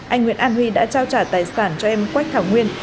anh nguyễn an huy đã trao trả tài sản cho em quách thảo nguyên